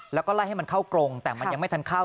แล้วก็ไล่ให้มันเข้ากรงแต่มันยังไม่ทันเข้า